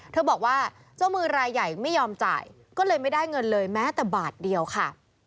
บอกว่าเจ้ามือรายใหญ่ไม่ยอมจ่ายก็เลยไม่ได้เงินเลยแม้แต่บาทเดียวค่ะ